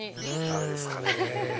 誰ですかね？